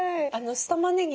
酢たまねぎ